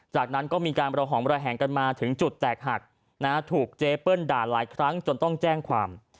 จากนั้นก็มีการระหองระแหงกันมาถึงจุดแตกหักถูกเจเปิ้ลด่าหลายครั้งจนต้องแจ้งความ